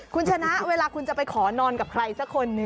คุณชนะเวลาคุณจะไปขอนอนกับใครสักคนหนึ่ง